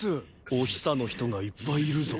おひさの人がいっぱいいるぞ。